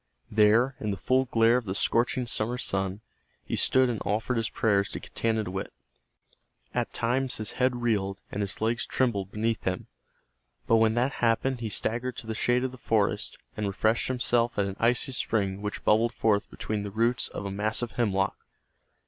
There, in the full glare of the scorching summer sun, he stood and offered his prayers to Getanittowit. At times his head reeled and his legs trembled beneath him, but when that happened he staggered to the shade of the forest, and refreshed himself at an icy spring which bubbled forth between the roots of a massive hemlock.